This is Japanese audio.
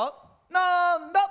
なんだ？